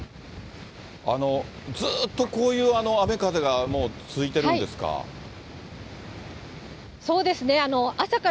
ずっとこういう雨、風が続いてるんですか？